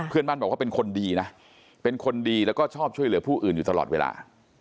เพื่อนบ้านบอกว่าเป็นคนดีนะเป็นคนดีแล้วก็ชอบช่วยเหลือผู้อื่นอยู่ตลอดเวลา